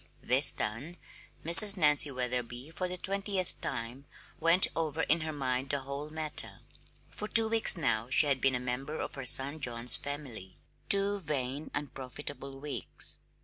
This done, Mrs. Nancy Wetherby, for the twentieth time, went over in her mind the whole matter. For two weeks, now, she had been a member of her son John's family two vain, unprofitable weeks.